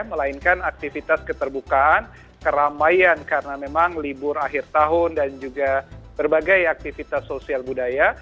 melainkan aktivitas keterbukaan keramaian karena memang libur akhir tahun dan juga berbagai aktivitas sosial budaya